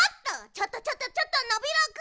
ちょっとちょっとちょっとノビローくん！